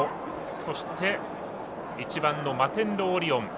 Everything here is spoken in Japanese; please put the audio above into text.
そして１番のマテンロウオリオン。